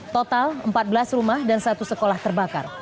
total empat belas rumah dan satu sekolah terbakar